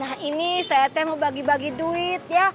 nah ini saya mau bagi bagi duit ya